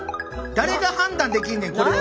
誰が判断できんねんこれを。